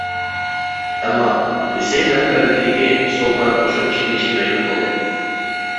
ئەمما، ھۈسەيىن رەھبەرلىكىدىكى سول قانات قوشۇن چېكىنىشكە مەجبۇر بولدى.